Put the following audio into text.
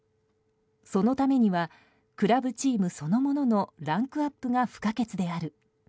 そのためにはクラブチームそのもののランクアップが不可欠である。